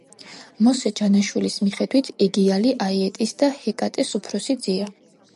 მოსე ჯანაშვილის მიხედვით, ეგიალი აიეტის და ჰეკატეს უფროსი ძეა.